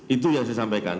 itu yang saya sampaikan